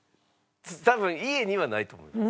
多分家にはないと思います。